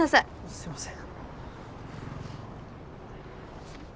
すいません。